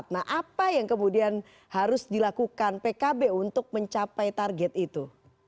nah apa yang kemudian harus dilakukan pkb untuk mencapai target itu